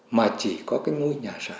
mà chỉ có cái ngôi nhà sản